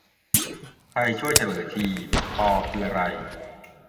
ใครช่วยเฉลยที ป คืออะไร